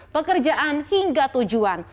pekerjaan hingga tujuan